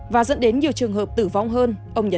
và dẫn đến nhiều trường hợp tử vong hơn